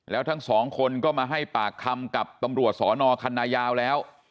แล้วทั้งสองคนก็มาให้ปากคำกับตำรวจสอนอคันนายาวแล้ว